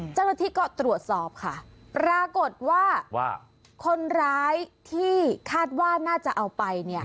เจ้าหน้าที่ก็ตรวจสอบค่ะปรากฏว่าคนร้ายที่คาดว่าน่าจะเอาไปเนี่ย